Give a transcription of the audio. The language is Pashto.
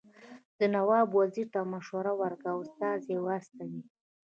ده نواب وزیر ته مشوره ورکړه استازي واستوي.